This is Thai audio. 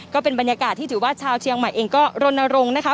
ก็เป็นบรรยากาศที่ถือว่าชาวเชียงใหม่เองก็รณรงค์นะคะ